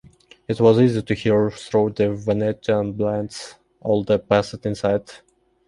It was easy to hear through the Venetian blinds all that passed inside.